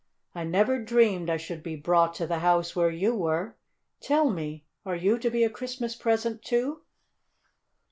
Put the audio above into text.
"I never dreamed I should be brought to the house where you were. Tell me, are you to be a Christmas present, too?"